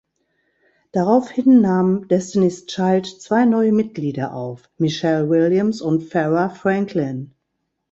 Daraufhin nahm Destiny’s Child zwei neue Mitglieder auf: Michelle Williams und Farrah Franklin.